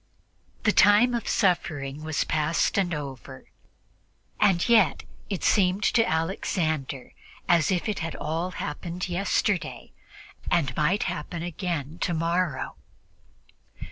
The time of suffering was past and over, and yet it seemed to Alexander as if it had all happened yesterday and might happen again tomorrow.